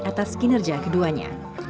atas kinerja keduanya